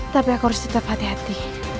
tapi aku harus tetap hati hati